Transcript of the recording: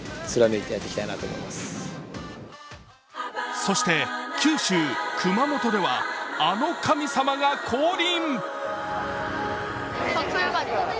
そして、九州・熊本ではあの神様が降臨。